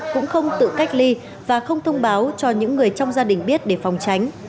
cũng không tự cách ly và không thông báo cho những người trong gia đình biết để phòng tránh